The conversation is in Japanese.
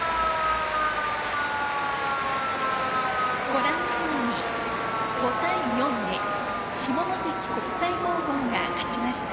ご覧のように５対４で下関国際高校が勝ちました。